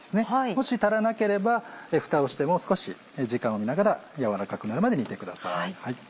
もし足らなければふたをしてもう少し時間を見ながら軟らかくなるまで煮てください。